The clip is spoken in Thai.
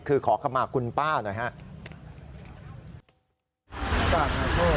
คือขอขมาคุณป้าหน่อยครับ